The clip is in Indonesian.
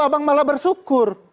abang malah bersyukur